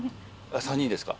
３人ですか？